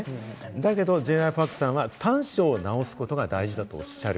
だけどＪ．Ｙ．Ｐａｒｋさんは短所を直すことが大事だとおっしゃる。